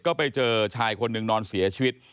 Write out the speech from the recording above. ก็ไปเจอชายคนหนึ่งนอนเสียชีวิต